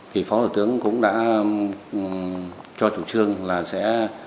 thì phó thủ tướng cũng đã cho chủ trương là sẽ